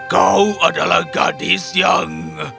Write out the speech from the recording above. kau adalah gadis yang